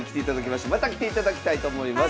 また来ていただきたいと思います。